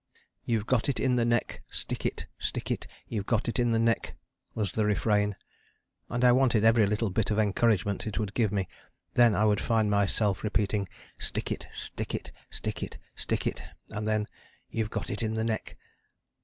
"You've got it in the neck stick it stick it you've got it in the neck," was the refrain, and I wanted every little bit of encouragement it would give me: then I would find myself repeating "Stick it stick it stick it stick it," and then "You've got it in the neck."